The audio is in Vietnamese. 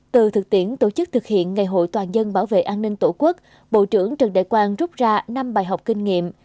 từ thực tiễn tổ chức thực hiện ngày hội toàn dân bảo vệ an ninh tổ quốc bộ trưởng trần đại quang rút ra năm bài học kinh nghiệm